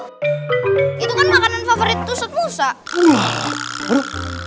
itu kan makanan favorit itu sat musa